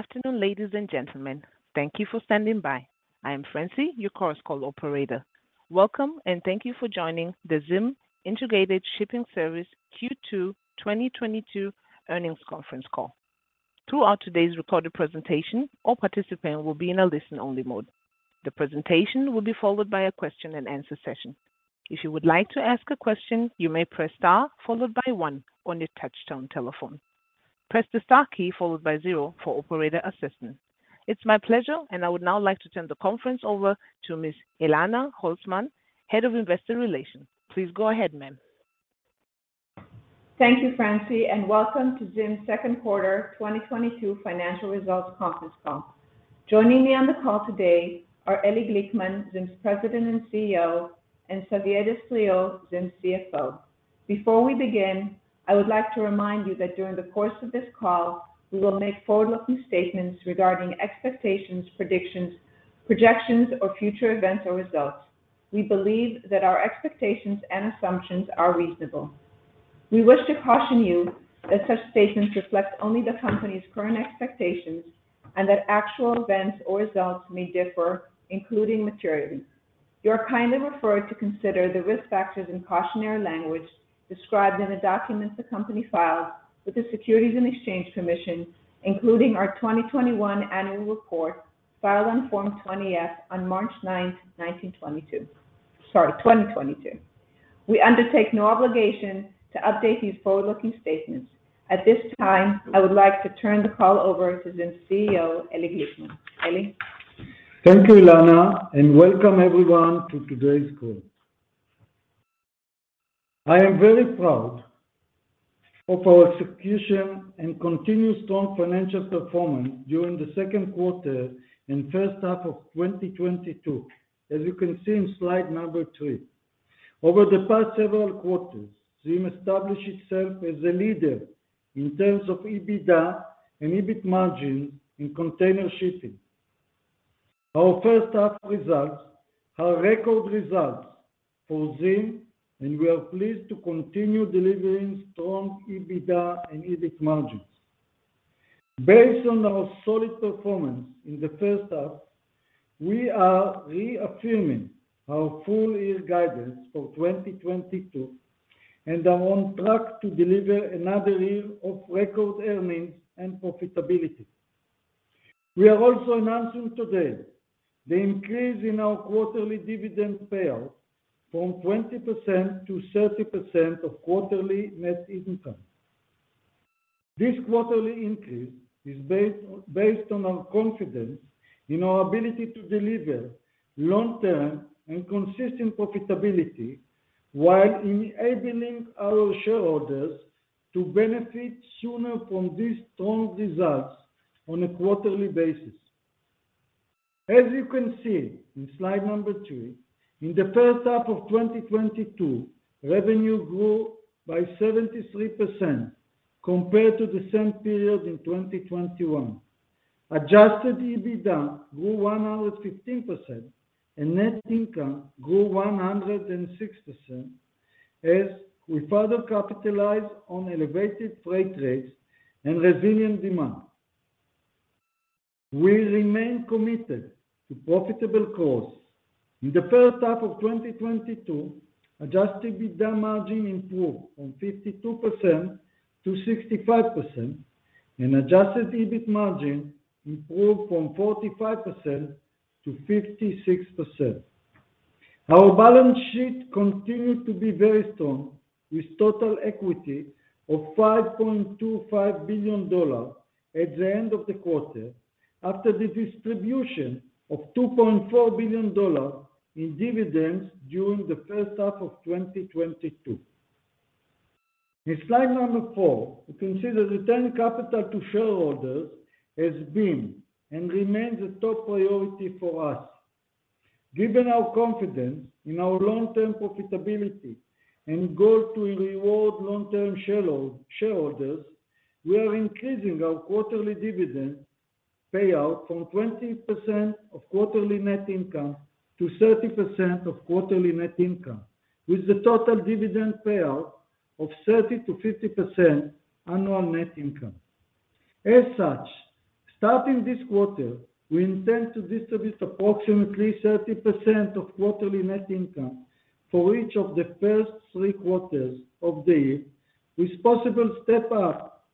Good afternoon, ladies and gentlemen. Thank you for standing by. I am Francie, your Chorus Call operator. Welcome, and thank you for joining the ZIM Integrated Shipping Services Q2 2022 earnings conference call. Throughout today's recorded presentation, all participants will be in a listen-only mode. The presentation will be followed by a question-and-answer session. If you would like to ask a question, you may press Star followed by one on your touchtone telephone. Press the Star key followed by zero for operator assistance. It's my pleasure, and I would now like to turn the conference over to Miss Elana Holzman, Head of Investor Relations. Please go ahead, ma'am. Thank you, Francie, and welcome to ZIM's second quarter 2022 financial results conference call. Joining me on the call today are Eli Glickman, ZIM's President and CEO, and Xavier Destriau, ZIM's CFO. Before we begin, I would like to remind you that during the course of this call, we will make forward-looking statements regarding expectations, predictions, projections, or future events or results. We believe that our expectations and assumptions are reasonable. We wish to caution you that such statements reflect only the company's current expectations and that actual events or results may differ, including materially. You are kindly referred to consider the risk factors and cautionary language described in the documents the company files with the Securities and Exchange Commission, including our 2021 annual report filed on Form 20-F on March 9, 2022. We undertake no obligation to update these forward-looking statements. At this time, I would like to turn the call over to ZIM's CEO, Eli Glickman. Eli? Thank you, Elana, and welcome everyone to today's call. I am very proud of our execution and continued strong financial performance during the second quarter and first half of 2022, as you can see in slide number 3. Over the past several quarters, ZIM established itself as a leader in terms of EBITDA and EBIT margin in container shipping. Our first half results are record results for ZIM, and we are pleased to continue delivering strong EBITDA and EBIT margins. Based on our solid performance in the first half, we are reaffirming our full-year guidance for 2022 and are on track to deliver another year of record earnings and profitability. We are also announcing today the increase in our quarterly dividend payout from 20%-30% of quarterly net income. This quarterly increase is based on our confidence in our ability to deliver long-term and consistent profitability while enabling our shareholders to benefit sooner from these strong results on a quarterly basis. As you can see in slide number three, in the first half of 2022, revenue grew by 73% compared to the same period in 2021. Adjusted EBITDA grew 115%, and net income grew 106% as we further capitalize on elevated freight rates and resilient demand. We remain committed to profitable costs. In the first half of 2022, adjusted EBITDA margin improved from 52%-65%, and adjusted EBIT margin improved from 45%-56%. Our balance sheet continued to be very strong, with total equity of $5.25 billion at the end of the quarter after the distribution of $2.4 billion in dividends during the first half of 2022. In slide 4, you can see that returning capital to shareholders has been and remains a top priority for us. Given our confidence in our long-term profitability and goal to reward long-term shareholders, we are increasing our quarterly dividend payout from 20% of quarterly net income to 30% of quarterly net income, with the total dividend payout of 30%-50% annual net income. As such, starting this quarter, we intend to distribute approximately 30% of quarterly net income for each of the first three quarters of the year, with possible step up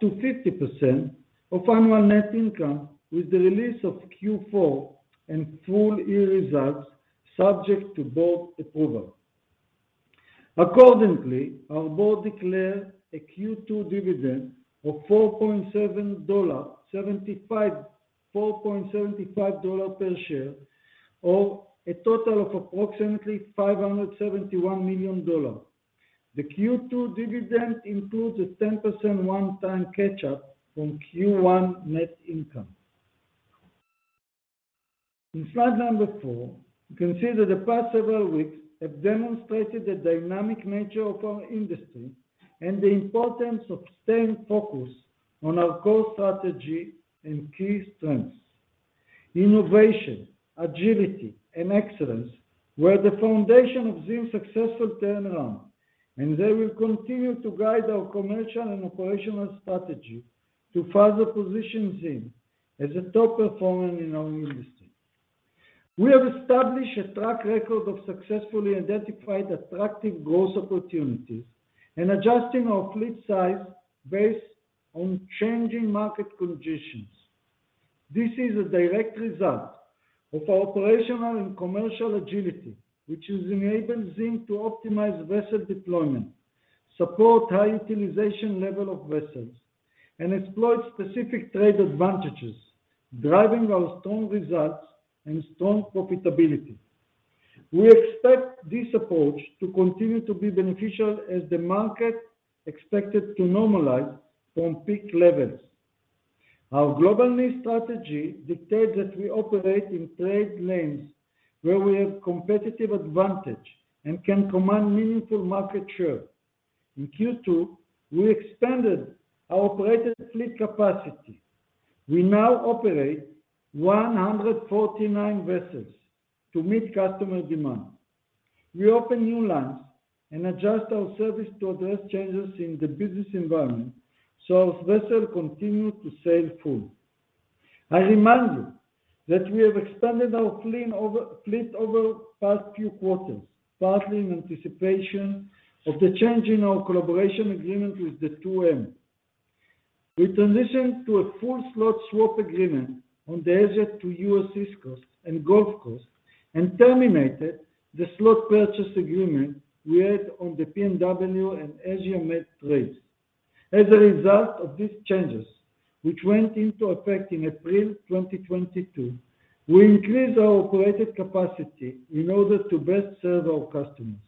to 50% of annual net income with the release of Q4 and full year results subject to board approval. Accordingly, our board declares a Q2 dividend of $4.75 per share, or a total of approximately $571 million. The Q2 dividend includes a 10% one-time catch-up from Q1 net income. In slide number 4, you can see that the past several weeks have demonstrated the dynamic nature of our industry and the importance of staying focused on our core strategy and key strengths. Innovation, agility, and excellence were the foundation of ZIM's successful turnaround, and they will continue to guide our commercial and operational strategy to further position ZIM as a top performer in our industry. We have established a track record of successfully identified attractive growth opportunities and adjusting our fleet size based on changing market conditions. This is a direct result of our operational and commercial agility, which has enabled ZIM to optimize vessel deployment, support high utilization level of vessels, and exploit specific trade advantages, driving our strong results and strong profitability. We expect this approach to continue to be beneficial as the market expected to normalize from peak levels. Our global niche strategy dictates that we operate in trade lanes where we have competitive advantage and can command meaningful market share. In Q2, we expanded our operated fleet capacity. We now operate 149 vessels to meet customer demand. We open new lines and adjust our service to address changes in the business environment, so our vessels continue to sail full. I remind you that we have expanded our fleet over past few quarters, partly in anticipation of the change in our collaboration agreement with the 2M. We transitioned to a full slot swap agreement on the Asia to U.S. East Coast and Gulf Coast, and terminated the slot purchase agreement we had on the PNW and Asia Med trades. As a result of these changes, which went into effect in April 2022, we increased our operated capacity in order to best serve our customers.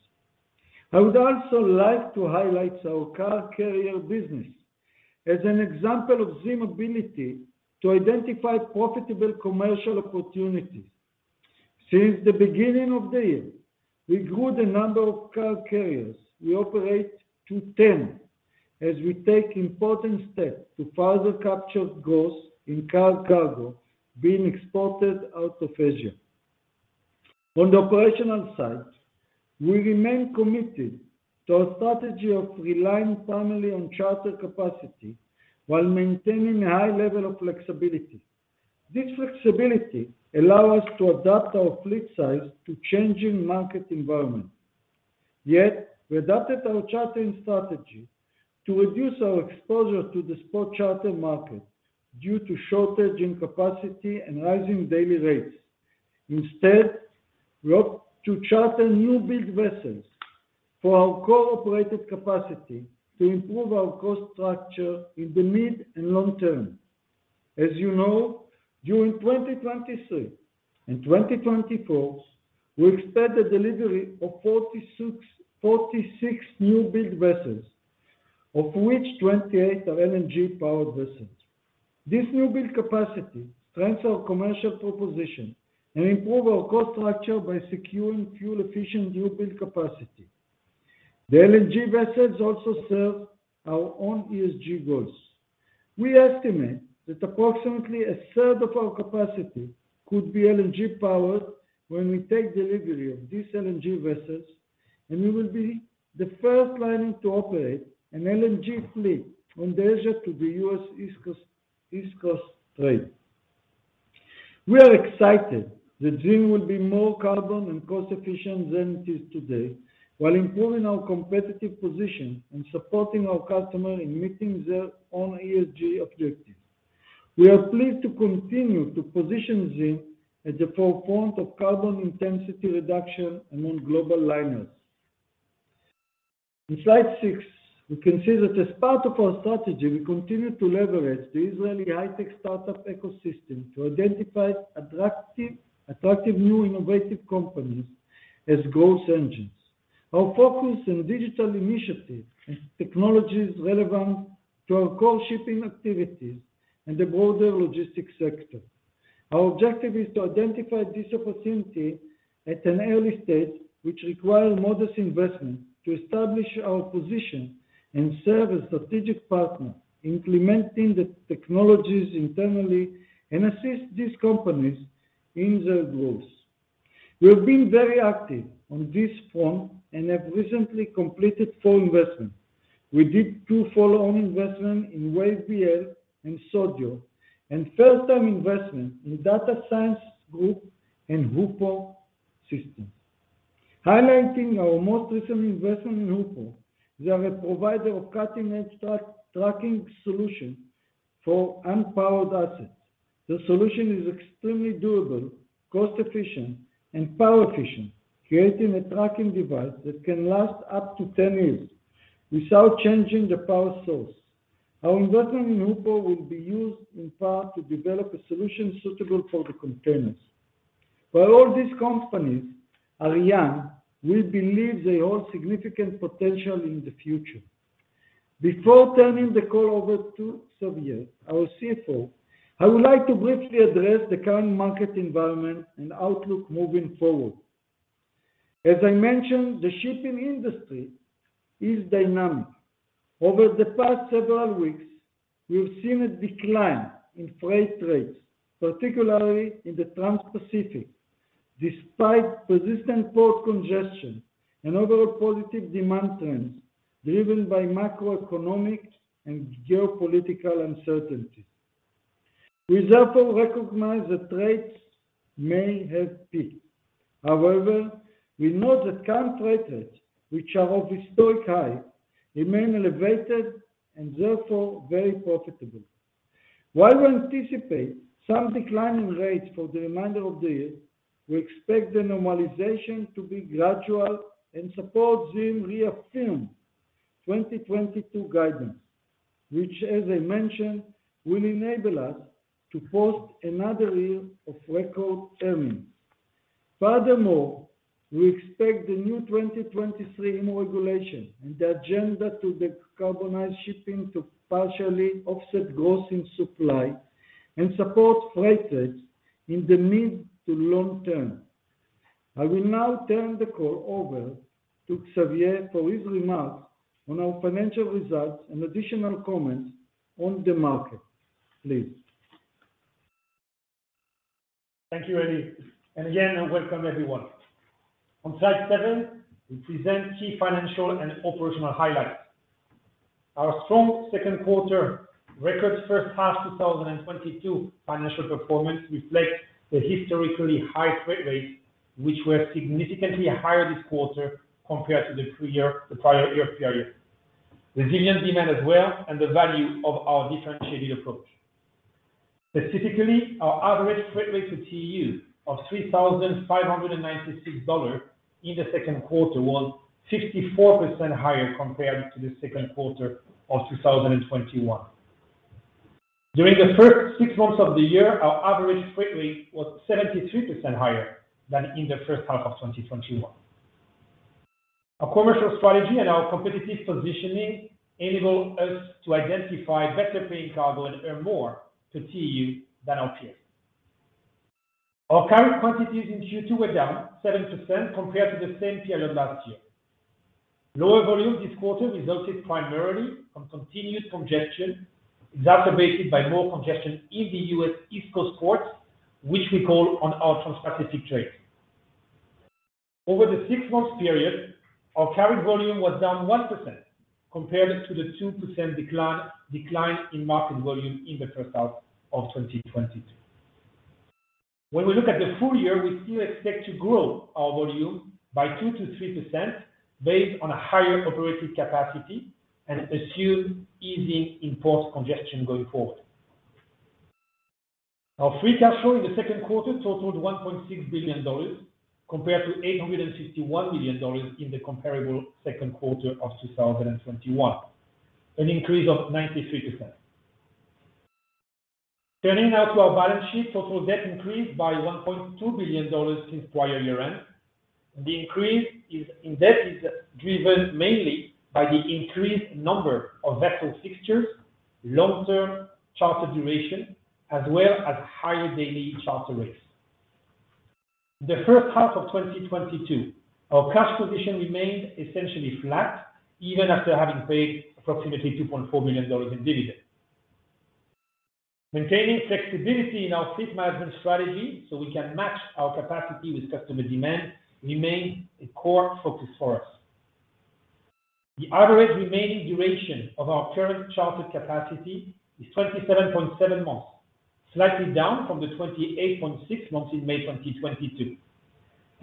I would also like to highlight our car carrier business as an example of ZIM's ability to identify profitable commercial opportunities. Since the beginning of the year, we grew the number of car carriers we operate to 10 as we take important steps to further capture growth in car cargo being exported out of Asia. On the operational side, we remain committed to our strategy of relying primarily on charter capacity while maintaining a high level of flexibility. This flexibility allows us to adapt our fleet size to changing market environment. We adapted our chartering strategy to reduce our exposure to the spot charter market due to shortage in capacity and rising daily rates. Instead, we opt to charter new build vessels for our core operated capacity to improve our cost structure in the mid and long term. As you know, during 2023 and 2022, we expect the delivery of 46 new build vessels, of which 28 are LNG powered vessels. This new build capacity strengthens our commercial proposition and improves our cost structure by securing fuel efficient new build capacity. The LNG vessels also serve our own ESG goals. We estimate that approximately a third of our capacity could be LNG powered when we take delivery of these LNG vessels, and we will be the first liner to operate an LNG fleet on the Asia to the U.S. East Coast trade. We are excited that ZIM will be more carbon and cost efficient than it is today, while improving our competitive position and supporting our customer in meeting their own ESG objectives. We are pleased to continue to position ZIM at the forefront of carbon intensity reduction among global liners. In slide 6, we can see that as part of our strategy, we continue to leverage the Israeli high-tech startup ecosystem to identify attractive new innovative companies as growth engines. Our focus on digital initiatives is technologies relevant to our core shipping activities and the broader logistics sector. Our objective is to identify this opportunity at an early stage which require modest investment to establish our position and serve as strategic partner, implementing the technologies internally and assist these companies in their growth. We have been very active on this front and have recently completed 4 investments. We did 2 follow-on investment in WaveBL and Sodyo, and first time investment in Data Science Group and Hoopo Systems. Highlighting our most recent investment in Hoopo, they are a provider of cutting-edge tracking solution for unpowered assets. The solution is extremely durable, cost efficient, and power efficient, creating a tracking device that can last up to 10 years without changing the power source. Our investment in Hoopo will be used in part to develop a solution suitable for the containers. While all these companies are young, we believe they hold significant potential in the future. Before turning the call over to Xavier Destriau, our CFO, I would like to briefly address the current market environment and outlook moving forward. As I mentioned, the shipping industry is dynamic. Over the past several weeks, we have seen a decline in freight rates, particularly in the Transpacific, despite persistent port congestion and overall positive demand trends driven by macroeconomic and geopolitical uncertainty. We therefore recognize that rates may have peaked. However, we know that current rates, which are historically high, remain elevated and therefore very profitable. While we anticipate some decline in rates for the remainder of the year, we expect the normalization to be gradual, and support ZIM reaffirm 2022 guidance, which as I mentioned, will enable us to post another year of record earnings. Furthermore, we expect the new 2023 IMO regulation and the agenda to decarbonize shipping to partially offset growth in supply and support freight rates in the mid to long term. I will now turn the call over to Xavier for his remarks on our financial results and additional comments on the market. Please. Thank you, Eli. Again, welcome everyone. On slide seven, we present key financial and operational highlights. Our strong second quarter record first half 2022 financial performance reflects the historically high freight rates, which were significantly higher this quarter compared to the prior year period. Resilient demand as well, and the value of our differentiated approach. Specifically, our average freight rate per TEU of $3,596 in the second quarter was 54% higher compared to the second quarter of 2021. During the first six months of the year, our average freight rate was 73% higher than in the first half of 2021. Our commercial strategy and our competitive positioning enable us to identify better paying cargo and earn more per TEU than our peers. Our carried quantities in Q2 were down 7% compared to the same period last year. Lower volume this quarter resulted primarily from continued congestion, exacerbated by more congestion in the US East Coast ports, which we call on our Transpacific trade. Over the six months period, our carried volume was down 1% compared to the 2% decline in market volume in the first half of 2022. When we look at the full year, we still expect to grow our volume by 2%-3% based on a higher operating capacity and assumed easing in port congestion going forward. Our free cash flow in the second quarter totaled $1.6 billion, compared to $851 million in the comparable second quarter of 2021, an increase of 93%. Turning now to our balance sheet, total debt increased by $1.2 billion since prior year-end. The increase in debt is driven mainly by the increased number of vessel fixtures, long-term charter duration, as well as higher daily charter rates. In the first half of 2022, our cash position remained essentially flat even after having paid approximately $2.4 million in dividend. Maintaining flexibility in our fleet management strategy so we can match our capacity with customer demand remains a core focus for us. The average remaining duration of our current chartered capacity is 27.7 months, slightly down from the 28.6 months in May 2022,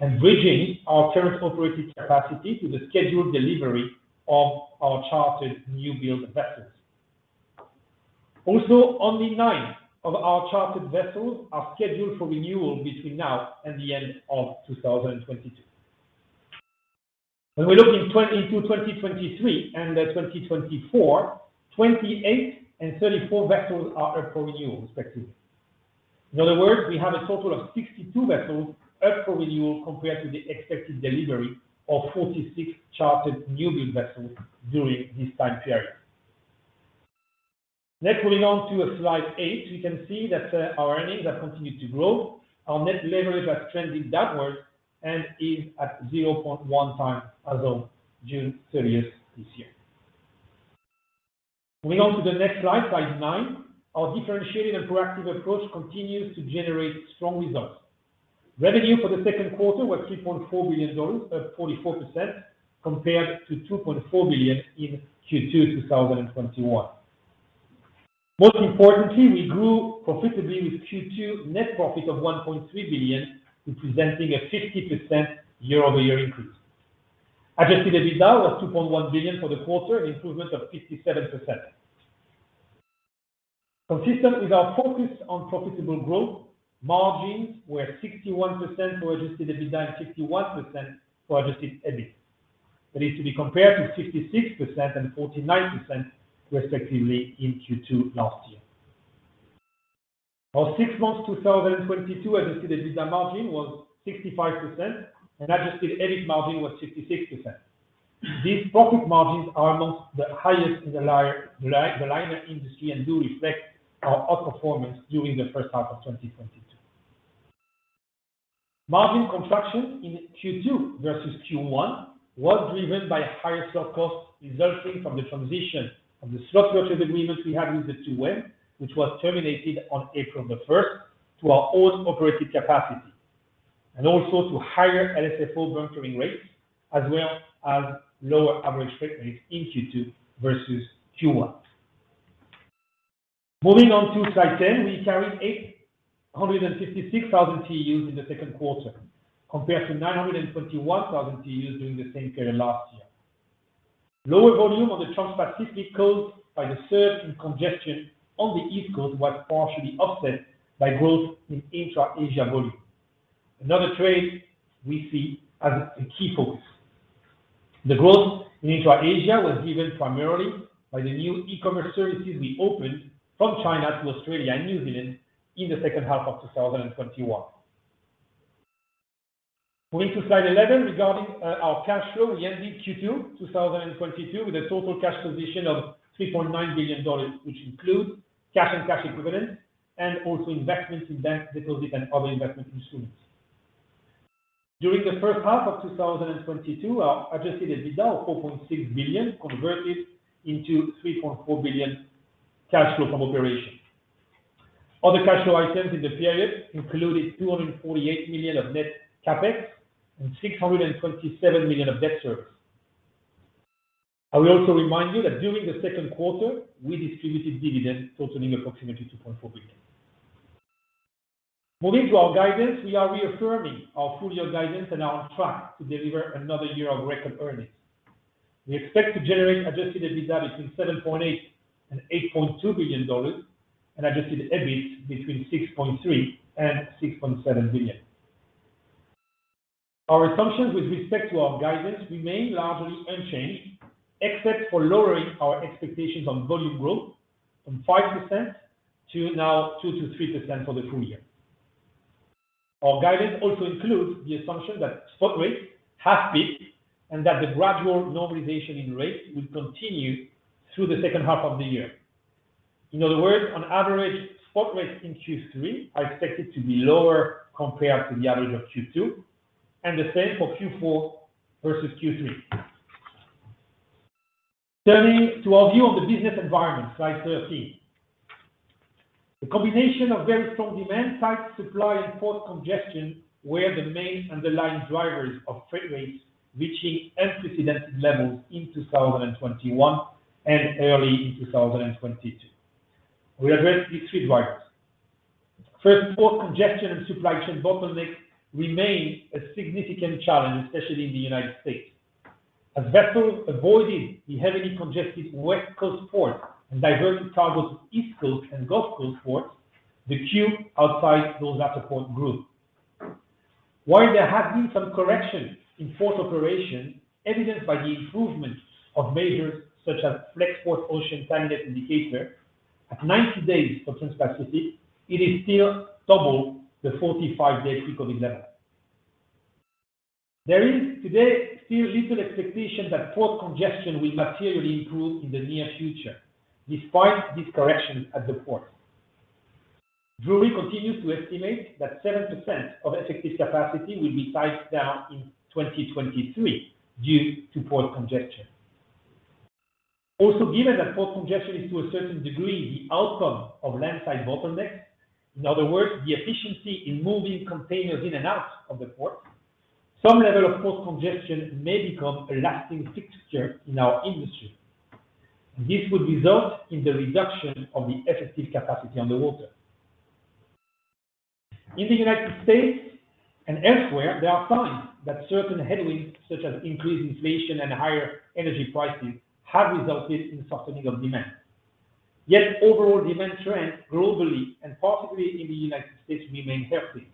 and bridging our current operating capacity to the scheduled delivery of our chartered new build vessels. Also, only 9 of our chartered vessels are scheduled for renewal between now and the end of 2022. When we look into 2022, 2023 and 2024, 28 and 34 vessels are up for renewal, respectively. In other words, we have a total of 62 vessels up for renewal compared to the expected delivery of 46 chartered new build vessels during this time period. Next, moving on to slide 8, we can see that our earnings have continued to grow. Our net leverage has trended downward and is at 0.1 times as of June 30 this year. Moving on to the next slide 9. Our differentiated and proactive approach continues to generate strong results. Revenue for the second quarter was $3.4 billion, up 44% compared to $2.4 billion in Q2 2021. Most importantly, we grew profitably with Q2 net profit of $1.3 billion, representing a 50% year-over-year increase. Adjusted EBITDA was $2.1 billion for the quarter, improvement of 57%. Consistent with our focus on profitable growth, margins were 61% for adjusted EBITDA and 61% for adjusted EBIT. That is to be compared to 66% and 49% respectively in Q2 last year. For six months 2022, adjusted EBITDA margin was 65% and adjusted EBIT margin was 66%. These profit margins are among the highest in the liner industry and do reflect our outperformance during the first half of 2022. Margin contraction in Q2 versus Q1 was driven by higher slot costs resulting from the transition of the slot purchase agreement we had with the 2M, which was terminated on April 1 to our own operated capacity, and also to higher LSFO bunkering rates, as well as lower average freight rates in Q2 versus Q1. Moving on to slide 10, we carried 856,000 TEUs in the second quarter compared to 921,000 TEUs during the same period last year. Lower volume on the Transpacific, caused by the surge in congestion on the East Coast, was partially offset by growth in Intra-Asia volume. Another trade we see as a key focus. The growth in Intra-Asia was driven primarily by the new e-commerce services we opened from China to Australia and New Zealand in the second half of 2021. Moving to slide 11, regarding our cash flow, we ended Q2 2022 with a total cash position of $3.9 billion, which include cash and cash equivalents and also investments in bank deposits and other investment instruments. During the first half of 2022, our adjusted EBITDA of $4.6 billion converted into $3.4 billion cash flow from operations. Other cash flow items in the period included $248 million of net CapEx and $627 million of debt service. I will also remind you that during the second quarter, we distributed dividends totaling approximately $2.4 billion. Moving to our guidance, we are reaffirming our full-year guidance and are on track to deliver another year of record earnings. We expect to generate adjusted EBITDA between $7.8 billion and $8.2 billion and adjusted EBIT between $6.3 billion and $6.7 billion. Our assumptions with respect to our guidance remain largely unchanged, except for lowering our expectations on volume growth from 5% to 2%-3% for the full year. Our guidance also includes the assumption that spot rates have peaked and that the gradual normalization in rates will continue through the second half of the year. In other words, on average, spot rates in Q3 are expected to be lower compared to the average of Q2, and the same for Q4 versus Q3. Turning to our view on the business environment, slide 13. The combination of very strong demand, tight supply, and port congestion were the main underlying drivers of freight rates reaching unprecedented levels in 2021 and early in 2022. We address these three drivers. First, port congestion and supply chain bottlenecks remain a significant challenge, especially in the United States. As vessels avoided the heavily congested West Coast ports and diverted cargo to East Coast and Gulf Coast ports, the queue outside those latter ports grew. While there have been some corrections in port operation evidenced by the improvement of measures such as Flexport Ocean Timeliness Indicator at 90 days for Transpacific, it is still double the 45-day pre-COVID level. There is today still little expectation that port congestion will materially improve in the near future despite this correction at the port. Drewry continues to estimate that 7% of effective capacity will be sized down in 2023 due to port congestion. Also, given that port congestion is to a certain degree the outcome of land-side bottlenecks, in other words, the efficiency in moving containers in and out of the port, some level of port congestion may become a lasting fixture in our industry. This would result in the reduction of the effective capacity on the water. In the United States and elsewhere, there are signs that certain headwinds, such as increased inflation and higher energy prices, have resulted in softening of demand. Yet overall demand trends globally and particularly in the United States remain healthy.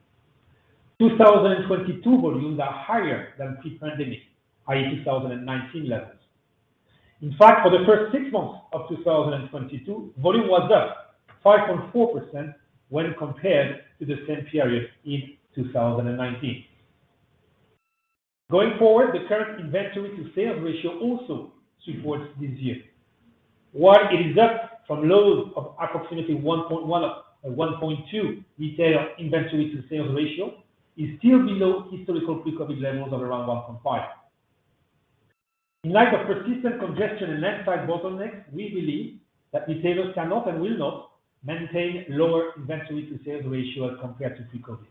2022 volumes are higher than pre-pandemic, i.e., 2019 levels. In fact, for the first six months of 2022, volume was up 5.4% when compared to the same period in 2019. Going forward, the current inventory to sales ratio also supports this view. While it is up from lows of approximately 1.1 or 1.2 retail inventory to sales ratio, it's still below historical pre-COVID levels of around 1.5. In light of persistent congestion and land-side bottlenecks, we believe that retailers cannot and will not maintain lower inventory to sales ratio as compared to pre-COVID.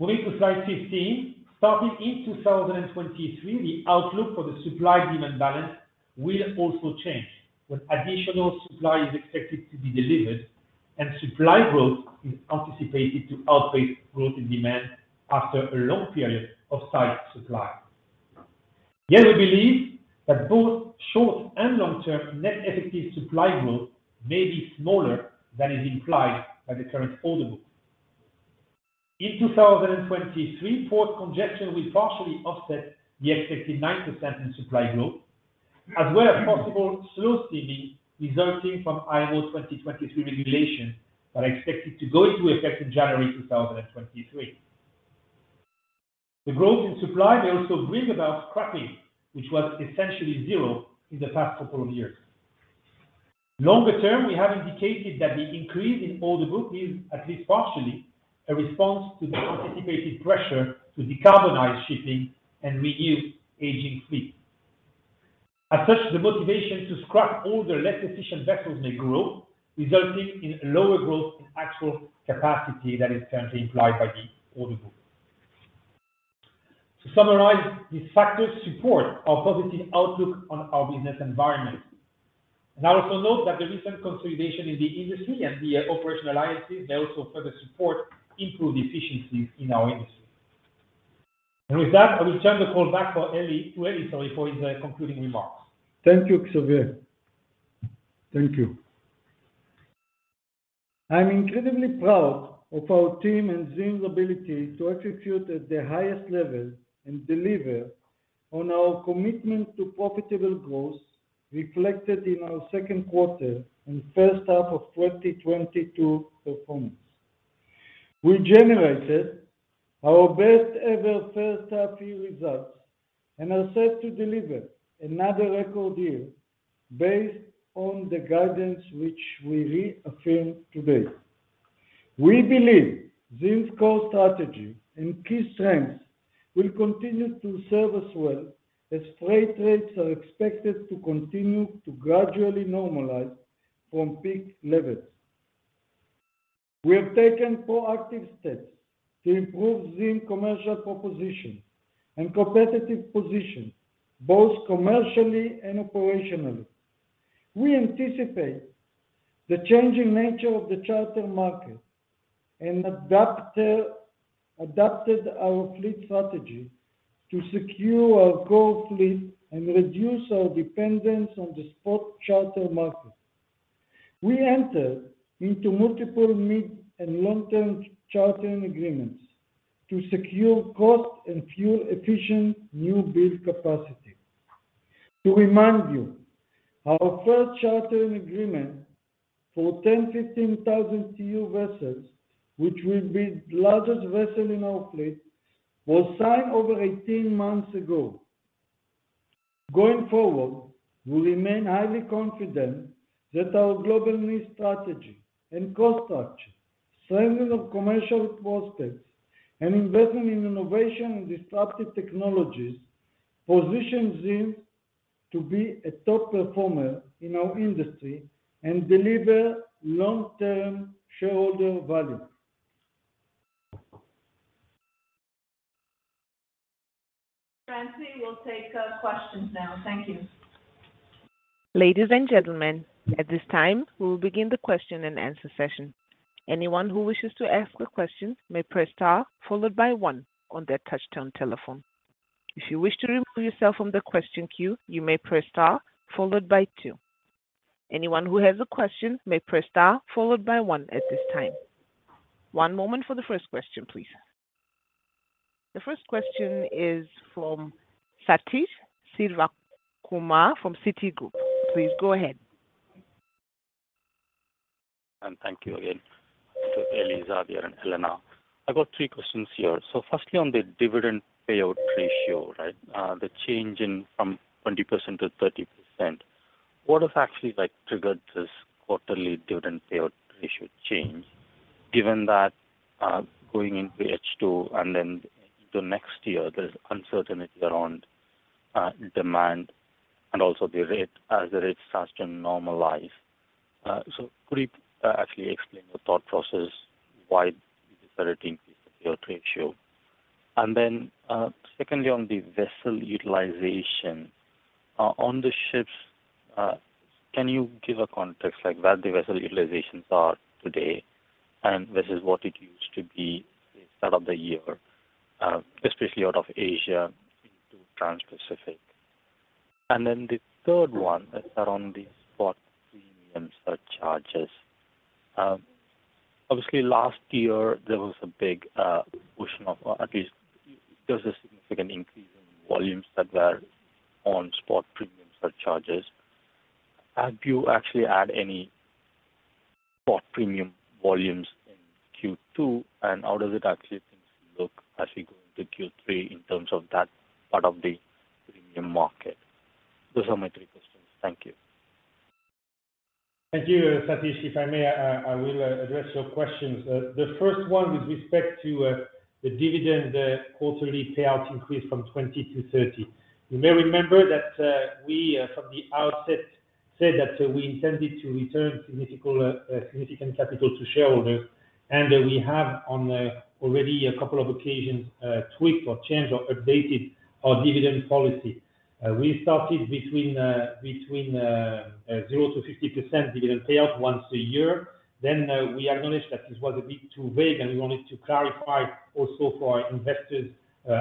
Moving to slide 15. Starting in 2023, the outlook for the supply-demand balance will also change when additional supply is expected to be delivered and supply growth is anticipated to outpace growth in demand after a long period of tight supply. Yet we believe that both short and long-term net effective supply growth may be smaller than is implied by the current order book. In 2023, port congestion will partially offset the expected 9% in supply growth. As well as possible slow steam resulting from IMO 2023 regulation that are expected to go into effect in January 2023. The growth in supply may also bring about scrapping, which was essentially zero in the past couple of years. Longer term, we have indicated that the increase in order book is at least partially a response to the anticipated pressure to decarbonize shipping and reduce aging fleet. As such, the motivation to scrap older, less efficient vessels may grow, resulting in lower growth in actual capacity that is currently implied by the order book. To summarize, these factors support our positive outlook on our business environment. I also note that the recent consolidation in the industry and the operational alliances, they also further support improved efficiencies in our industry. With that, I will turn the call back to Eli, sorry, for his concluding remarks. Thank you, Xavier. Thank you. I am incredibly proud of our team and ZIM's ability to execute at the highest level and deliver on our commitment to profitable growth, reflected in our second quarter and first half of 2022 performance. We generated our best ever first half year results and are set to deliver another record year based on the guidance which we reaffirm today. We believe ZIM's core strategy and key strengths will continue to serve us well as freight rates are expected to continue to gradually normalize from peak levels. We have taken proactive steps to improve ZIM commercial proposition and competitive position, both commercially and operationally. We anticipate the changing nature of the charter market and adapted our fleet strategy to secure our core fleet and reduce our dependence on the spot charter market. We enter into multiple mid- and long-term chartering agreements to secure cost- and fuel-efficient newbuild capacity. To remind you, our first chartering agreement for 10,000- and 15,000-TEU vessels, which will be the largest vessels in our fleet, was signed over 18 months ago. Going forward, we remain highly confident that our global niche strategy and cost structure, strengthening of commercial prospects, and investment in innovation and disruptive technologies position ZIM to be a top performer in our industry and deliver long-term shareholder value. Francie, we'll take questions now. Thank you. Ladies and gentlemen, at this time, we will begin the question and answer session. Anyone who wishes to ask a question may press star followed by one on their touchtone telephone. If you wish to remove yourself from the question queue, you may press star followed by two. Anyone who has a question may press star followed by one at this time. One moment for the first question, please. The first question is from Sathish Sivakumar from Citigroup. Please go ahead. Thank you again to Eli, Xavier, and Elana. I got three questions here. Firstly, on the dividend payout ratio, right? The change from 20%-30%. What has actually, like, triggered this quarterly dividend payout ratio change, given that going into H2 and then into next year, there's uncertainty around demand and also the rate as the rates start to normalize. Could you actually explain the thought process why you decided to increase the payout ratio? Then, secondly, on the vessel utilization. On the ships, can you give a context like where the vessel utilizations are today, and versus what it used to be at the start of the year, especially out of Asia into Transpacific? The third one is around the spot premiums or charges. Obviously last year there was a significant increase in volumes that were on spot premium surcharges. Have you actually had any spot premium volumes in Q2? How does it actually look as we go into Q3 in terms of that part of the premium market? Those are my three questions. Thank you. Thank you, Satish. If I may, I will address your questions. The first one with respect to the dividend, the quarterly payout increase from 20-30. You may remember that we from the outset said that we intended to return significant capital to shareholders. We have already on a couple of occasions tweaked or changed or updated our dividend policy. We started between 0-50% dividend payout once a year. We acknowledged that this was a bit too vague, and we wanted to clarify also for our investors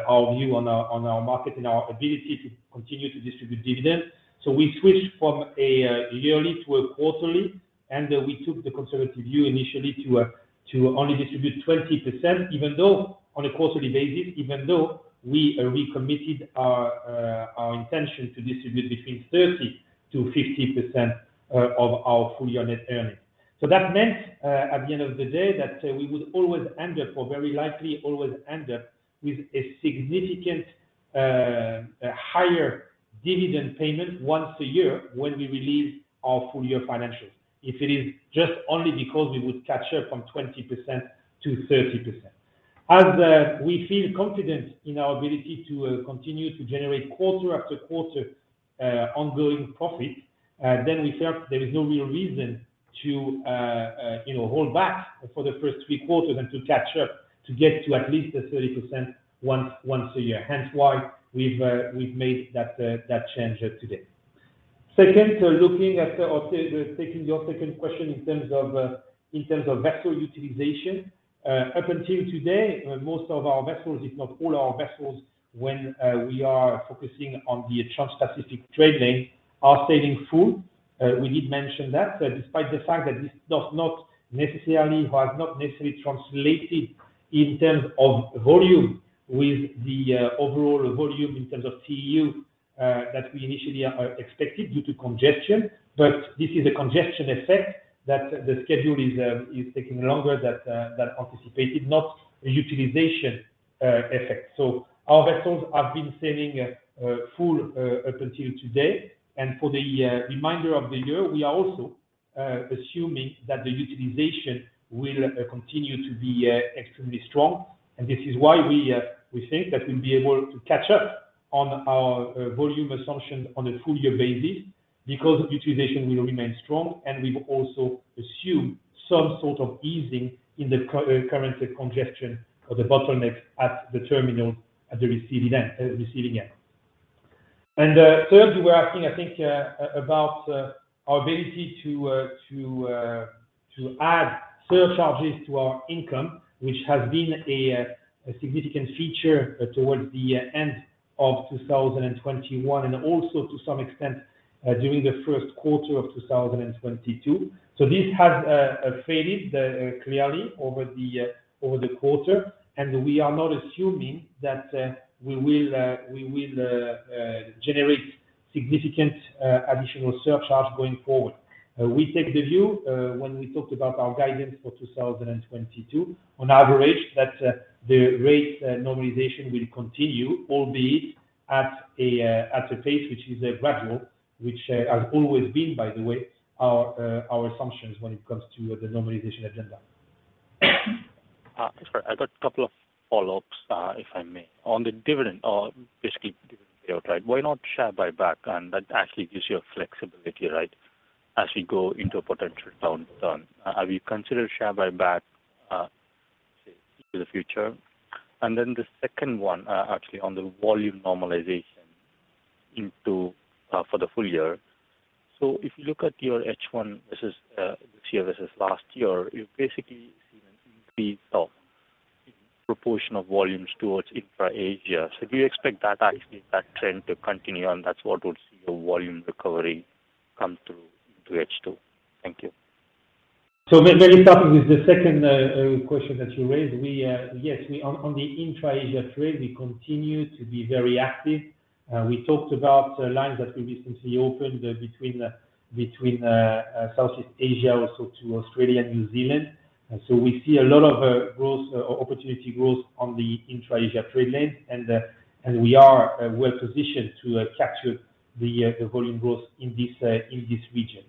our view on our market and our ability to continue to distribute dividends. We switched from yearly to quarterly. We took the conservative view initially to only distribute 20%, even though on a quarterly basis we committed our intention to distribute between 30%-50% of our full year net earnings. That meant at the end of the day that we would always end up, or very likely always end up with a significant higher dividend payment once a year when we release our full year financials. If it is just only because we would catch up from 20%-30%. We feel confident in our ability to continue to generate quarter after quarter ongoing profit, then we felt there is no real reason to you know hold back for the first three quarters and to catch up to get to at least the 30% once a year. Hence why we've made that change today. Second, looking at or taking your second question in terms of vessel utilization. Up until today, most of our vessels, if not all our vessels, when we are focusing on the Transpacific trading, are sailing full. We did mention that, despite the fact that this has not necessarily translated in terms of volume with the overall volume in terms of TEU that we initially are expected due to congestion. This is a congestion effect that the schedule is taking longer than anticipated, not a utilization effect. Our vessels have been sailing full up until today. For the remainder of the year, we are also assuming that the utilization will continue to be extremely strong. This is why we think that we'll be able to catch up on our volume assumption on a full year basis because utilization will remain strong, and we've also assumed some sort of easing in the current congestion or the bottleneck at the terminal, at the receiving end. Third, you were asking, I think, about our ability to add surcharges to our income, which has been a significant feature towards the end of 2021, and also to some extent during the first quarter of 2022. This has faded clearly over the quarter, and we are not assuming that we will generate significant additional surcharges going forward. We take the view when we talked about our guidance for 2022, on average, that the rate normalization will continue, albeit at a pace which is gradual, which has always been, by the way, our assumptions when it comes to the normalization agenda. Sorry. I got a couple of follow-ups, if I may. On the dividend, or basically dividend payout, right? Why not share buyback? That actually gives you a flexibility, right? As we go into potential downturn. Have you considered share buyback, say, in the future? The second one, actually on the volume normalization into, for the full year. If you look at your H1 this year versus last year, you've basically seen an increase of proportion of volumes towards intra-Asia. Do you expect actually that trend to continue and that's what would see your volume recovery come through into H2? Thank you. Maybe start with the second question that you raised. We are on the intra-Asia trade, we continue to be very active. We talked about lines that we recently opened between Southeast Asia, also to Australia and New Zealand. We see a lot of growth opportunity on the intra-Asia trade lane, and we are well-positioned to capture the volume growth in this region.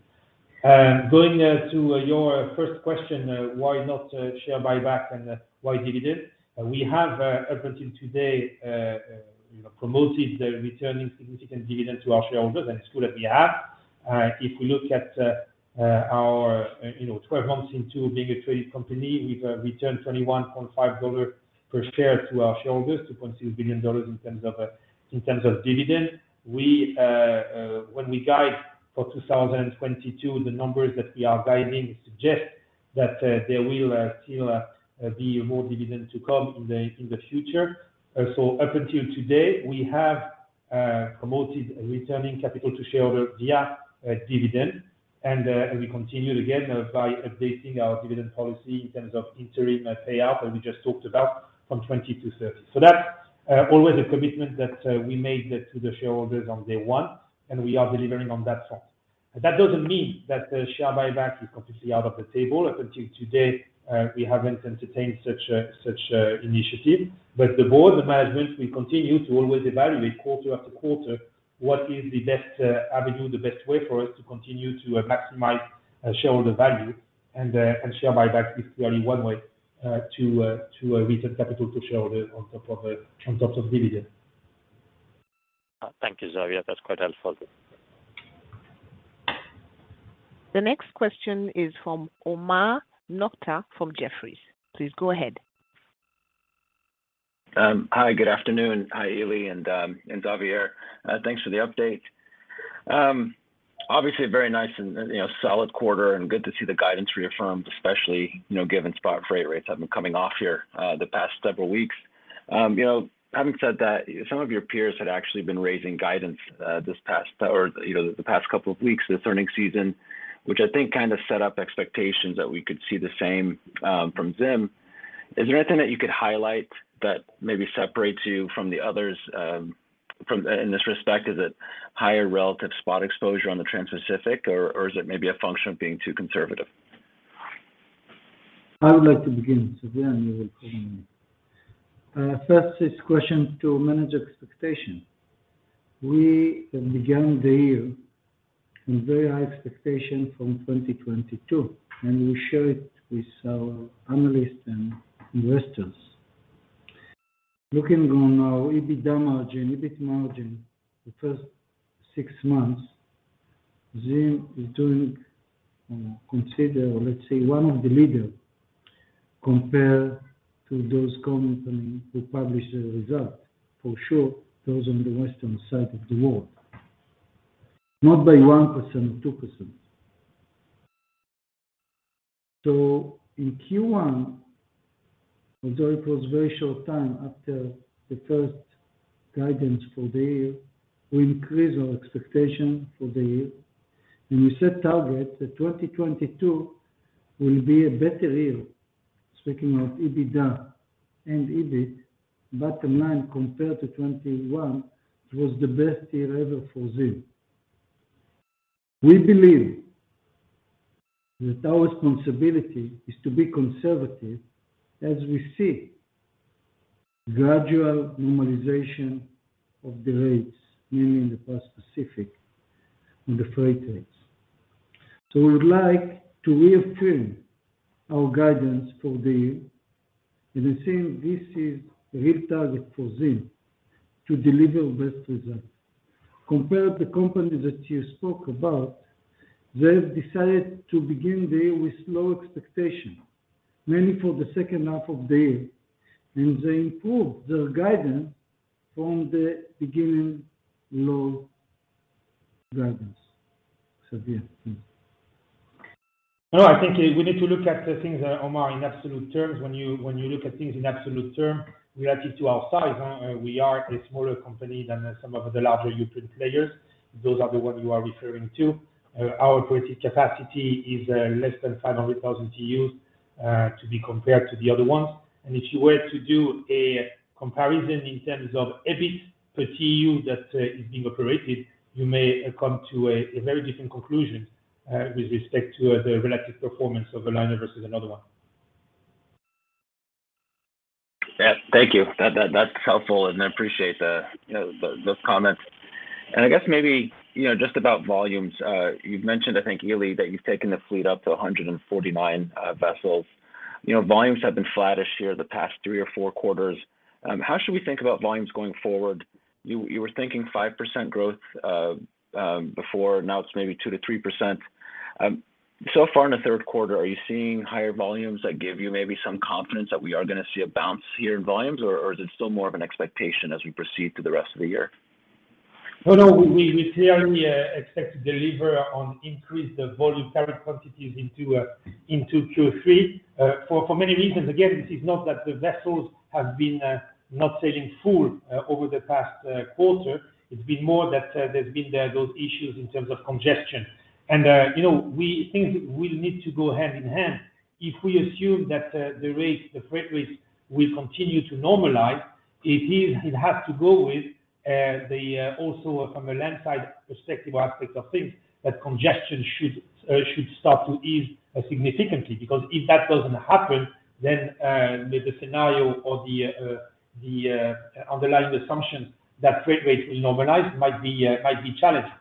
Going to your first question, why not share buyback and why dividend? We have up until today, you know, promoted returning significant dividend to our shareholders, and it's good that we have. If we look at our, you know, 12 months into being a traded company, we've returned $21.5 per share to our shareholders, $2.2 billion in terms of dividend. When we guide for 2022, the numbers that we are guiding suggest that there will still be more dividend to come in the future. Up until today, we have promoted returning capital to shareholder via dividend. We continue again by updating our dividend policy in terms of interim payout that we just talked about from 20%-30%. That's always a commitment that we made to the shareholders on day one, and we are delivering on that front. That doesn't mean that the share buyback is completely out of the table. Up until today, we haven't entertained such an initiative. The board and management will continue to always evaluate quarter after quarter what is the best avenue, the best way for us to continue to maximize shareholder value. Share buyback is clearly one way to return capital to shareholder on top of dividend. Thank you, Xavier. That's quite helpful. The next question is from Omar Nokta from Jefferies. Please go ahead. Hi, good afternoon. Hi, Eli and Xavier. Thanks for the update. Obviously a very nice and, you know, solid quarter, and good to see the guidance reaffirmed, especially, you know, given spot freight rates have been coming off here, the past several weeks. You know, having said that, some of your peers had actually been raising guidance, this past or, you know, the past couple of weeks this earnings season, which I think kind of set up expectations that we could see the same from ZIM. Is there anything that you could highlight that maybe separates you from the others from... In this respect, is it higher relative spot exposure on the Transpacific or is it maybe a function of being too conservative? I would like to begin, Xavier, and you will comment. First, it's questions to manage expectation. We began the year in very high expectation from 2022, and we share it with our analysts and investors. Looking at our EBITDA margin, EBIT margin, the first six months, ZIM is doing considerably, let's say, one of the leaders compared to those companies and who publish the result, for sure, those on the Western side of the world. Not by 1% or 2%. In Q1, although it was very short time after the first guidance for the year, we increased our expectation for the year, and we set targets that 2022 will be a better year, speaking of EBITDA and EBIT, bottom line, compared to 2021, it was the best year ever for ZIM. We believe that our responsibility is to be conservative as we see gradual normalization of the rates, mainly in the Transpacific, on the freight rates. We would like to reaffirm our guidance for the year, and assume this is real target for ZIM to deliver best results. Compare the company that you spoke about, they've decided to begin the year with low expectation, mainly for the second half of the year, and they improved their guidance from the beginning low guidance. Xavier, please. No, I think we need to look at the things, Omar, in absolute terms. When you look at things in absolute terms relative to our size, we are a smaller company than some of the larger European players. Those are the ones you are referring to. Our freight capacity is less than 500,000 TEUs to be compared to the other ones. If you were to do a comparison in terms of EBIT per TEU that is being operated, you may come to a very different conclusion with respect to the relative performance of a liner versus another one. Yeah. Thank you. That's helpful, and I appreciate those comments. I guess maybe, you know, just about volumes, you've mentioned, I think, earlier, that you've taken the fleet up to 149 vessels. You know, volumes have been flattish here the past 3 or 4 quarters. How should we think about volumes going forward? You were thinking 5% growth before, now it's maybe 2%-3%. So far in the third quarter, are you seeing higher volumes that give you maybe some confidence that we are gonna see a bounce here in volumes, or is it still more of an expectation as we proceed through the rest of the year? No, we clearly expect to deliver on increased volume carried quantities into Q3 for many reasons. Again, this is not that the vessels have been not sailing full over the past quarter. It's been more that there's been those issues in terms of congestion. You know, we think we need to go hand in hand. If we assume that the rates, the freight rates will continue to normalize, it has to go with also from a landside perspective or aspect of things, that congestion should start to ease significantly. Because if that doesn't happen, the scenario or the underlying assumption that freight rates will normalize might be challenged.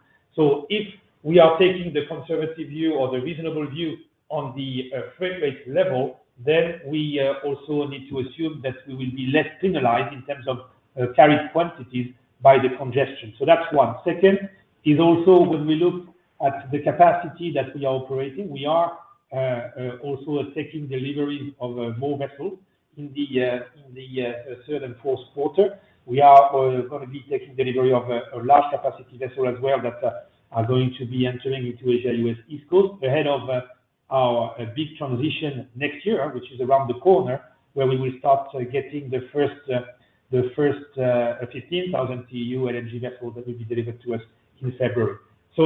If we are taking the conservative view or the reasonable view on the freight rate level, then we also need to assume that we will be less penalized in terms of carried quantities by the congestion. That's one. Second is also when we look at the capacity that we are operating, we are also taking deliveries of more vessels in the third and fourth quarter. We are gonna be taking delivery of a large capacity vessel as well that are going to be entering into the U.S. East Coast ahead of our big transition next year, which is around the corner, where we will start getting the first 15,000 TEU LNG vessel that will be delivered to us in February.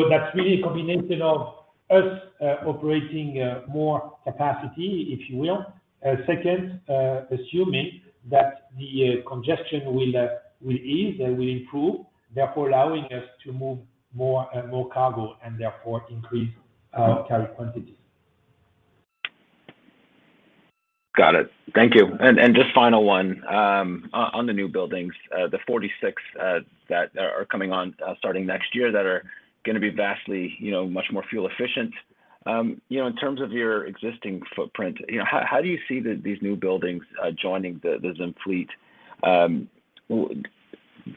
That's really a combination of us operating more capacity, if you will. Second, assuming that the congestion will ease and will improve, therefore allowing us to move more and more cargo and therefore increase our carried quantities. Got it. Thank you. Just final one, on the newbuildings, the 46 that are coming on, starting next year that are gonna be vastly, you know, much more fuel-efficient. You know, in terms of your existing footprint, you know, how do you see these newbuildings, joining the ZIM fleet?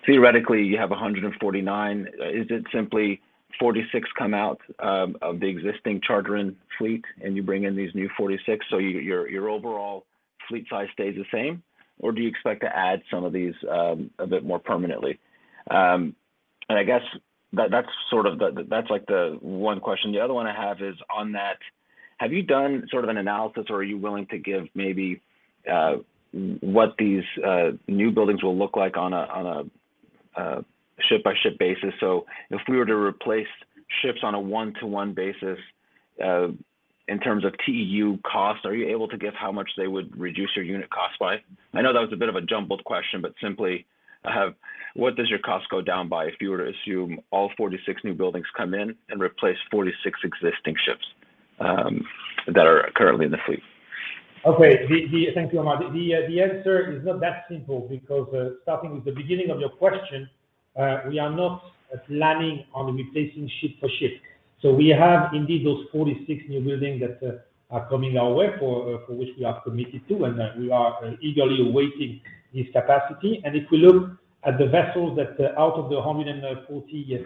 Theoretically, you have 149. Is it simply 46 come out, of the existing charter-in fleet and you bring in these new 46, so your overall fleet size stays the same? Or do you expect to add some of these, a bit more permanently? I guess that's sort of the one question. The other one I have is on that. Have you done sort of an analysis, or are you willing to give maybe what these newbuildings will look like on a ship-by-ship basis? If we were to replace ships on a one-to-one basis in terms of TEU cost, are you able to give how much they would reduce your unit cost by? I know that was a bit of a jumbled question, but simply what does your cost go down by if you were to assume all 46 newbuildings come in and replace 46 existing ships that are currently in the fleet? Okay. Thank you, Omar. The answer is not that simple because, starting with the beginning of your question, we are not planning on replacing ship for ship. So we have indeed those 46 newbuildings that are coming our way, for which we have committed to, and we are eagerly awaiting this capacity. If we look at the vessels that are out of the 140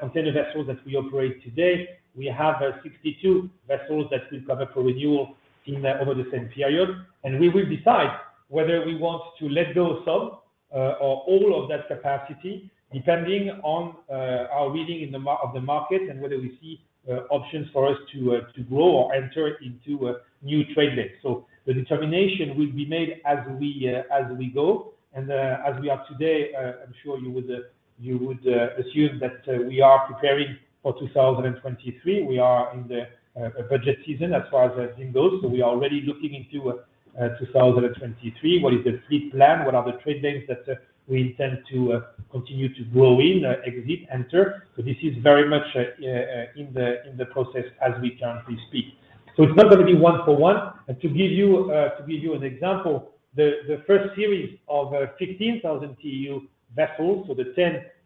container vessels that we operate today, we have 62 vessels that will come up for renewal over the same period. We will decide whether we want to let go some or all of that capacity, depending on our reading of the market and whether we see options for us to grow or enter into a new trade lane. The determination will be made as we go. As we are today, I'm sure you would assume that we are preparing for 2023. We are in the budget season as far as that thing goes. We are already looking into 2023. What is the fleet plan? What are the trade lanes that we intend to continue to grow in, exit, enter? This is very much in the process as we currently speak. It's not gonna be one for one. To give you an example, the first series of 15,000 TEU vessels, so the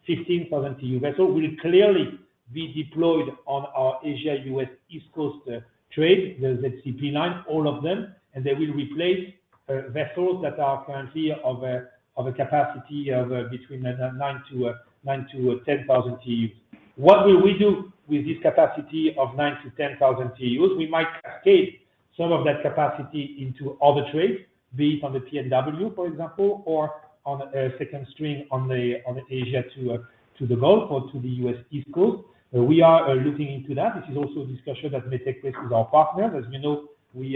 10-15,000 TEU vessel, will clearly be deployed on our Asia-U.S. East Coast trade, the ZCP line, all of them, and they will replace vessels that are currently of a capacity of between 9,000-10,000 TEUs. What will we do with this capacity of 9,000-10,000 TEUs? We might cascade some of that capacity into other trades, be it on the PNW, for example, or on a second string on the Asia to the Gulf or to the U.S. East Coast. We are looking into that. This is also a discussion that may take place with our partners. As we know, we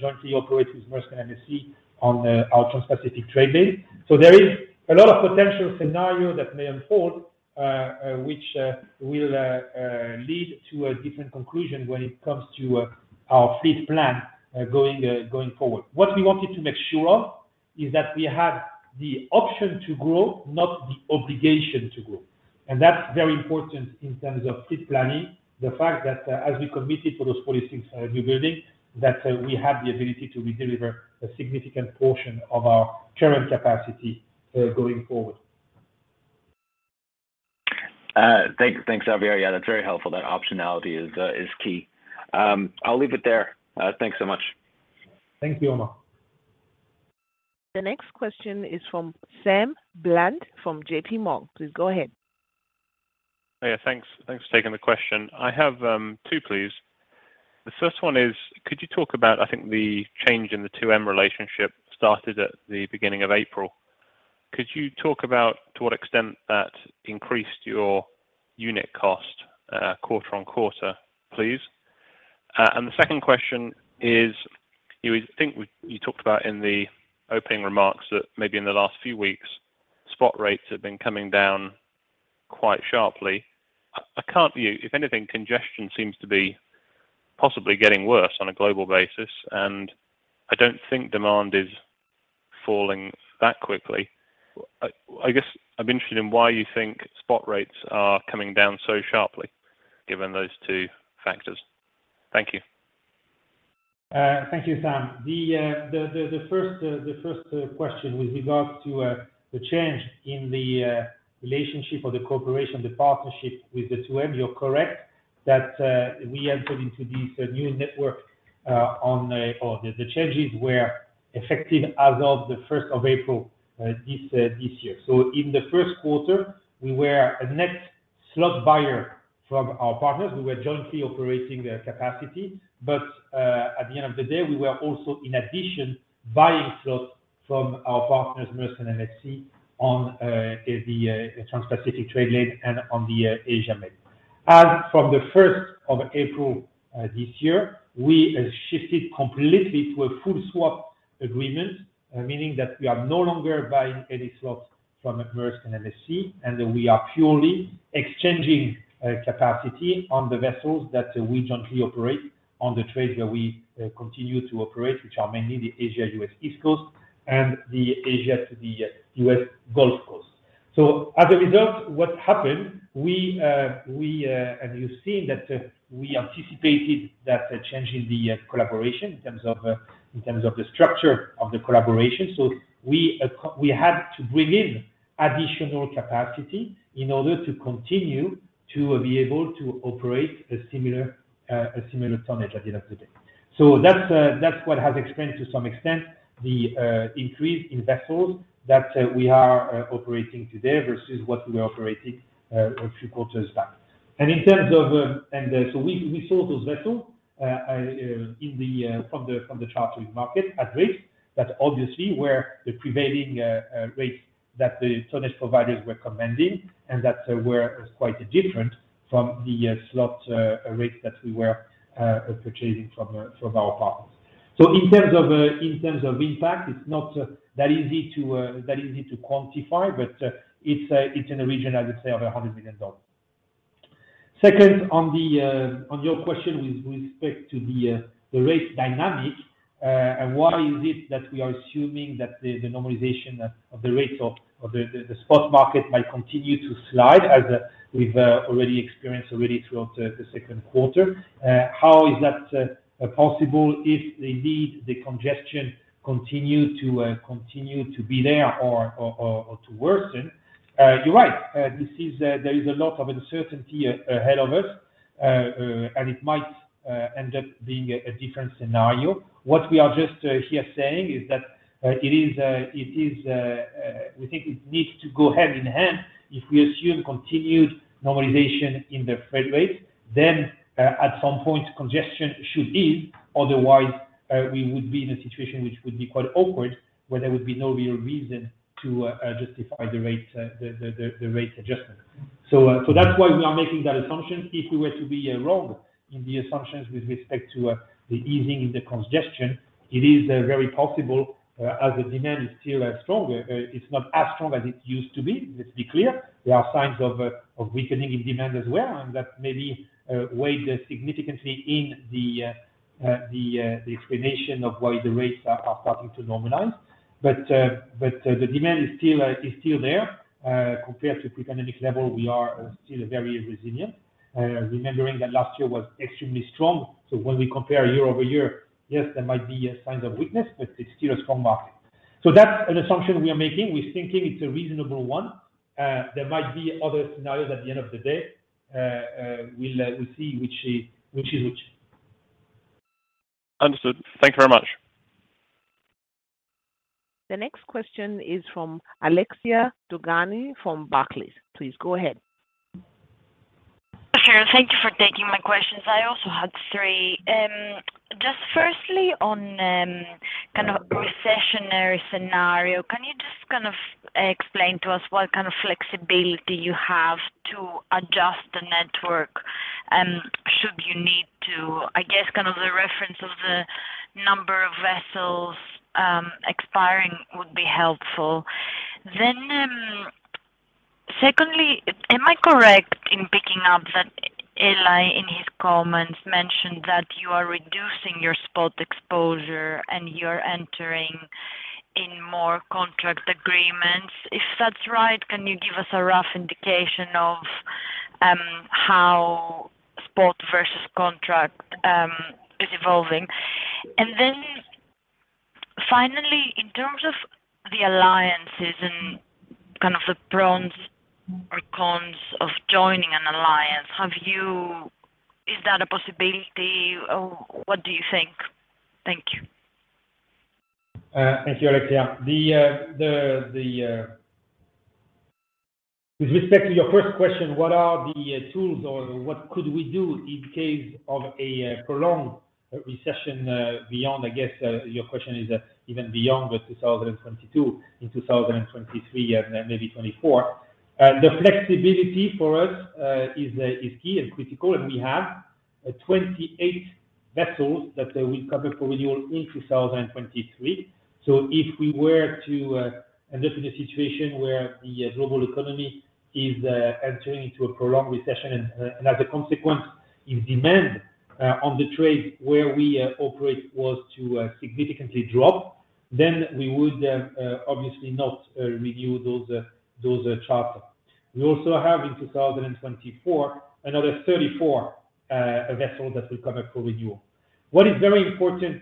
jointly operate with Maersk and MSC on the Transpacific trade lane. There is a lot of potential scenario that may unfold, which will lead to a different conclusion when it comes to our fleet plan going forward. What we wanted to make sure of is that we have the option to grow, not the obligation to grow. That's very important in terms of fleet planning. The fact that as we committed to those policies, new building, that we have the ability to redeliver a significant portion of our current capacity going forward. Thanks, Xavier. Yeah, that's very helpful. That optionality is key. I'll leave it there. Thanks so much. Thank you, Omar. The next question is from Sam Bland from J.P. Morgan. Please go ahead. Yeah, thanks. Thanks for taking the question. I have two, please. The first one is, could you talk about, I think, the change in the 2M Alliance started at the beginning of April. Could you talk about to what extent that increased your unit cost quarter-over-quarter, please? And the second question is, you talked about in the opening remarks that maybe in the last few weeks, spot rates have been coming down quite sharply. I can't see. If anything, congestion seems to be possibly getting worse on a global basis, and I don't think demand is falling that quickly. I guess I'm interested in why you think spot rates are coming down so sharply, given those two factors. Thank you. Thank you, Sam. The first question with regards to the change in the relationship or the cooperation, the partnership with the 2M, you're correct that we entered into this new network. The changes were effective as of the first of April this year. In the first quarter, we were a net slot buyer from our partners. We were jointly operating their capacity. At the end of the day, we were also, in addition, buying slots from our partners, Maersk and MSC, on the Transpacific trade lane and on the Asia lane. As from the first of April this year, we shifted completely to a full swap agreement, meaning that we are no longer buying any slots from Maersk and MSC, and we are purely exchanging capacity on the vessels that we jointly operate on the trades that we continue to operate, which are mainly the Asia, U.S. East Coast and the Asia to the U.S. Gulf Coast. As a result, as you've seen, we anticipated that change in the collaboration in terms of the structure of the collaboration. We had to bring in additional capacity in order to continue to be able to operate a similar tonnage at the end of the day. That's what has explained to some extent the increase in vessels that we are operating today versus what we were operating a few quarters back. In terms of we sold those vessels from the chartering market at rates that obviously were the prevailing rates that the tonnage providers were commanding and that were quite different from the slot rates that we were purchasing from our partners. In terms of impact, it's not that easy to quantify, but it's in the region, I would say of $100 million. Second, on your question with respect to the rate dynamic, and why is it that we are assuming that the normalization of the rates of the spot market might continue to slide as we've already experienced throughout the second quarter. How is that possible if indeed the congestion continues to be there or to worsen? You're right. There is a lot of uncertainty ahead of us, and it might end up being a different scenario. What we are just saying here is that we think it needs to go hand in hand. If we assume continued normalization in the freight rates, then at some point congestion should ease. Otherwise, we would be in a situation which would be quite awkward, where there would be no real reason to justify the rate adjustment. That's why we are making that assumption. If we were to be wrong in the assumptions with respect to the easing in the congestion, it is very possible as the demand is still strong. It's not as strong as it used to be. Let's be clear. There are signs of weakening in demand as well, and that maybe weighed significantly in the explanation of why the rates are starting to normalize. The demand is still there. Compared to pre-pandemic level, we are still very resilient. Remembering that last year was extremely strong. When we compare year over year, yes, there might be signs of weakness, but it's still a strong market. That's an assumption we are making. We're thinking it's a reasonable one. There might be other scenarios at the end of the day. We'll see which is which. Understood. Thank you very much. The next question is from Alexia Dogani from Barclays. Please go ahead. Sure. Thank you for taking my questions. I also had three. Just firstly on kind of a recessionary scenario, can you just kind of explain to us what kind of flexibility you have to adjust the network should you need to? I guess kind of the reference of the number of vessels expiring would be helpful. Secondly, am I correct in picking up that Eli, in his comments, mentioned that you are reducing your spot exposure and you're entering in more contract agreements? If that's right, can you give us a rough indication of how spot versus contract is evolving? Finally, in terms of the alliances and kind of the pros or cons of joining an alliance, is that a possibility? Or what do you think? Thank you. Thank you, Alexia. With respect to your first question, what are the tools or what could we do in case of a prolonged recession beyond, I guess, your question is even beyond 2022, in 2023, and maybe 2024. The flexibility for us is key and critical, and we have 28 vessels that will come up for renewal in 2023. If we were to end up in a situation where the global economy is entering into a prolonged recession, and as a consequence, if demand on the trades where we operate was to significantly drop, then we would obviously not renew those charters. We also have in 2024, another 34 vessels that will come up for renewal. What is very important,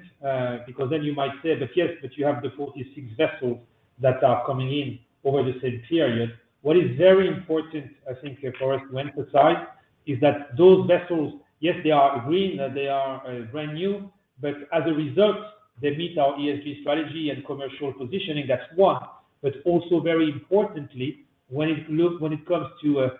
because then you might say, "But yes, you have the 46 vessels that are coming in over the same period." What is very important, I think for us to emphasize is that those vessels, yes, they are green, they are brand new, but as a result, they meet our ESG strategy and commercial positioning. That's one. Also very importantly, when it comes to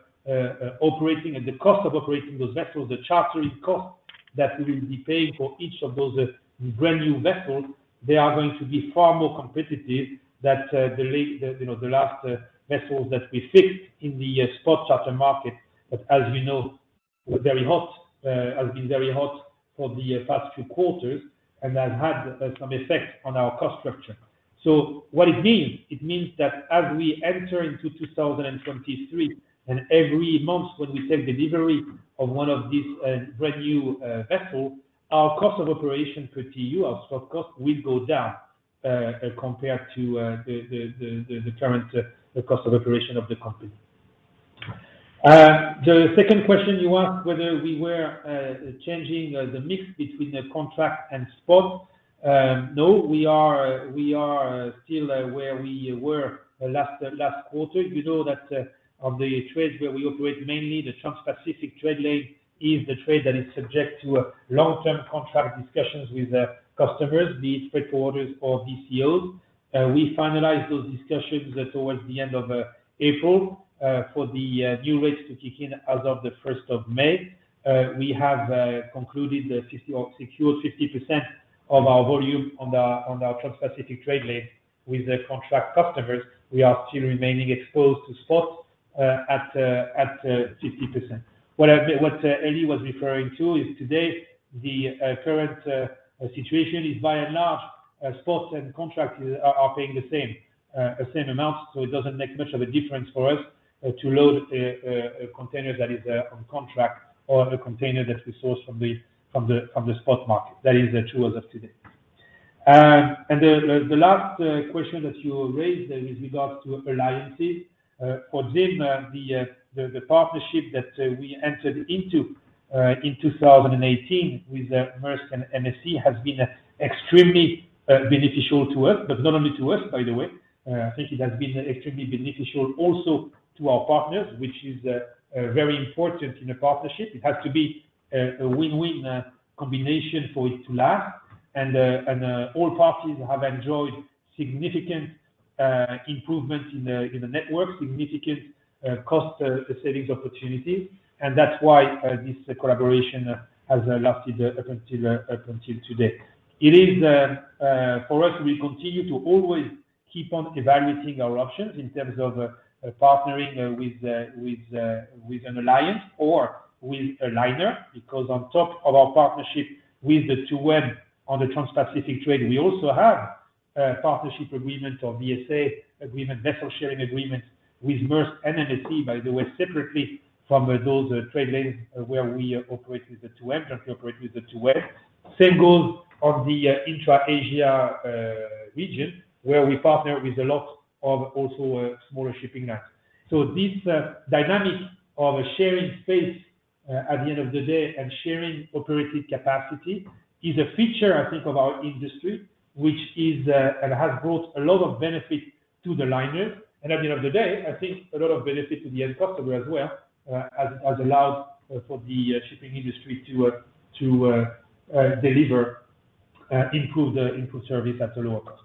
operating and the cost of operating those vessels, the chartering cost that we will be paying for each of those brand-new vessels, they are going to be far more competitive than the, you know, the last vessels that we fixed in the spot charter market, but as we know, was very hot, has been very hot for the past few quarters and has had some effect on our cost structure. What it means, it means that as we enter into 2023, and every month when we take delivery of one of these brand-new vessels, our cost of operation per TEU, our spot cost, will go down compared to the current cost of operation of the company. The second question, you asked whether we were changing the mix between the contract and spot. No, we are still where we were last quarter. You know that on the trades where we operate mainly the Transpacific trade lane is the trade that is subject to long-term contract discussions with customers, be it freight forwarders or BCOs. We finalize those discussions towards the end of April for the new rates to kick in as of the first of May. We have concluded or secured 50% of our volume on our Transpacific trade lane with the contract customers. We are still remaining exposed to spot at 50%. What Eli was referring to is today the current situation is by and large spots and contracts are paying the same amount, so it doesn't make much of a difference for us to load a container that is on contract or a container that we source from the spot market. That is true as of today. The last question that you raised with regards to alliances for ZIM, the partnership that we entered into in 2018 with Maersk and MSC has been extremely beneficial to us, but not only to us, by the way. I think it has been extremely beneficial also to our partners, which is very important in a partnership. It has to be a win-win combination for it to last. All parties have enjoyed significant improvement in the network, significant cost savings opportunity. That's why this collaboration has lasted up until today. It is for us, we continue to always keep on evaluating our options in terms of partnering with an alliance or with a liner, because on top of our partnership with 2M on the Transpacific trade, we also have a partnership agreement or BSA agreement, Vessel Sharing Agreement, with Maersk and MSC, by the way, separately from those trade lanes where we operate with the 2M, and we operate with the 2M. Same goes for the intra-Asia region, where we partner with a lot of also smaller shipping lines. This dynamic of sharing space at the end of the day and sharing operational capacity is a feature, I think, of our industry, which is and has brought a lot of benefit to the liner. At the end of the day, I think a lot of benefit to the end customer as well has allowed for the shipping industry to deliver improved service at a lower cost.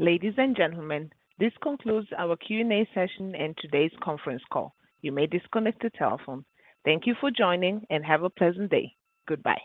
Ladies and gentlemen, this concludes our Q&A session and today's conference call. You may disconnect the telephone. Thank you for joining, and have a pleasant day. Goodbye.